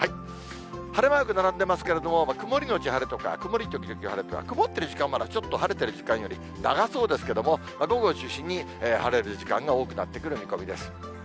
晴れマーク並んでますけれども、曇り後晴れとか、曇り時々晴れとか、曇っている時間はまだちょっと晴れてる時間より長そうですけれども、午後を中心に晴れる時間が多くなってくる見込みです。